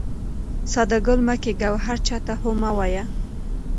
ساده ګل مه کېږه او هر چا ته هو مه وایه.